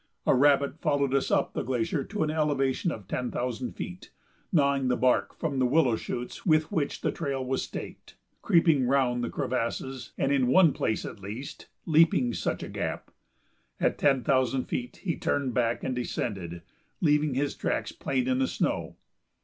A rabbit followed us up the glacier to an elevation of ten thousand feet, gnawing the bark from the willow shoots with which the trail was staked, creeping round the crevasses, and, in one place at least, leaping such a gap. At ten thousand feet he turned back and descended, leaving his tracks plain in the snow.